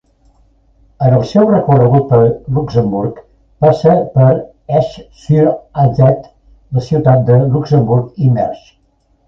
En el seu recorregut per Luxemburg passa per Esch-sur-Alzette, la ciutat de Luxemburg i Mersch.